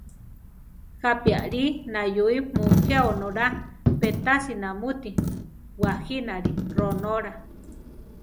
¿Jápi alí nayúi mujé onóla, pe tasi namuti bajínari ronóla?